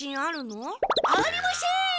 ありません！